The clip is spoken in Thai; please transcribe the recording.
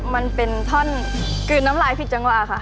มันเป็นท่อนกลืนน้ำลายผิดจังหวะค่ะ